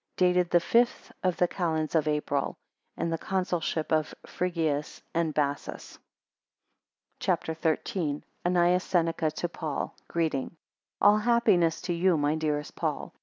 9 Dated the fifth of the calends of April, in the Consulship of Frigius and Bassus. CHAPTER XIII. ANNAEUS SENECA to PAUL Greeting. ALL happiness to you, my dearest Paul.